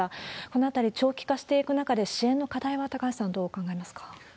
このあたり、長期化していく中で、支援の課題は、高橋さん、どう考えますか？